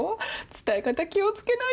伝え方気を付けないと。